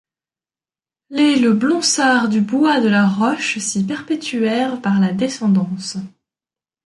Les Le Blonsart du Bois de La Roche s'y perpétuèrent par la descendance.